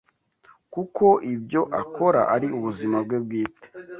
kuko ibyo akora ari ubuzima bwe bwite